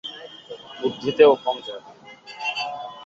বুদ্ধিতেও কম যায় না।